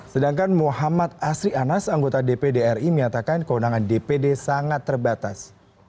sedangkan muhammad asri anas anggota dpd ri menyatakan kewenangan dpd sangat terbatas